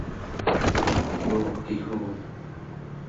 Bro, কি খবর?